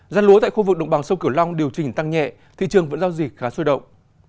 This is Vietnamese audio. giá lúa tại khu vực đồng bằng sông kiểu long điều chỉnh tăng nhẹ thị trường vẫn giao dịch khá sôi động